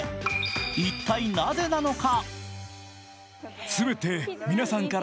一体なぜなのか。